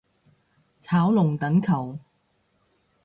炒龍躉球